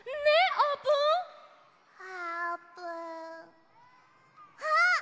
あっ！